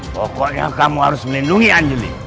pokoknya kamu harus melindungi angeli